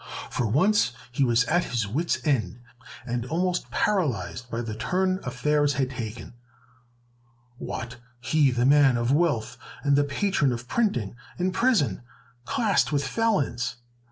For once he was at his wit's end, and almost paralyzed by the turn affairs had taken. What! he, the man of wealth and the patron of printing, in prison, classed with felons!